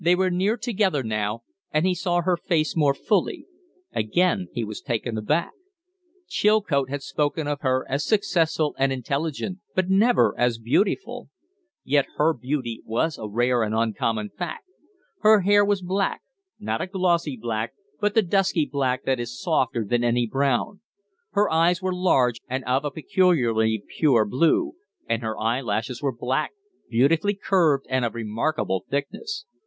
They were near together now, and he saw her face more fully. Again he was taken aback. Chilcote had spoken of her as successful and intelligent, but never as beautiful. Yet her beauty was a rare and uncommon fact. Her hair was black not a glossy black, but the dusky black that is softer than any brown; her eyes were large and of a peculiarly pure blue; and her eyelashes were black, beautifully curved and of remarkable thickness.